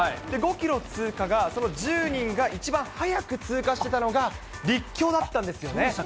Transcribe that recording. ５キロ通過が、その１０人が一番速く通過してたのが立教だったんですよね。